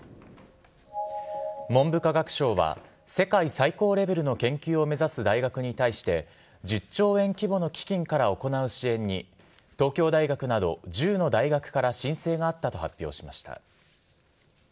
文部科学省は、世界最高レベルの研究を目指す大学に対して、１０兆円規模の基金から行う支援に、東京大学など１０の大学から申請があったと発表しました。